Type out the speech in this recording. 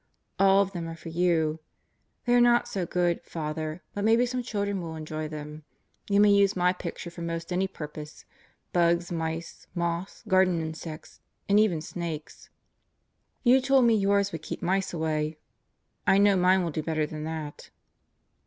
All of them are for you. They are not so good, Father, but maybe some children will enjoy them. You may use my picture for most any purpose: bugs, mice, moths, garden insects, and even snakes. You told me yours would keep mice away, I know mine will do better than that.